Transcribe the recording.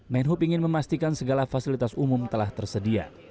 menhub ingin memastikan segala fasilitas umum telah tersedia